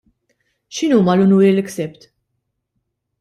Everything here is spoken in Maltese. X'inhuma l-unuri li ksibt?